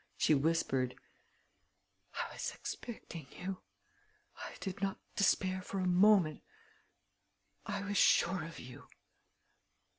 She whispered: "I was expecting you ... I did not despair for a moment ... I was sure of you...."